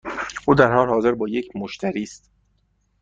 او در حال حاضر با یک مشتری است.